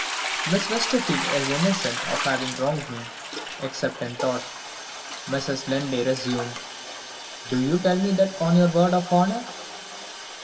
"Miss Westerfield is innocent of having wronged me, except in thought," Mrs. Linley resumed. "Do you tell me that on your word of honor?"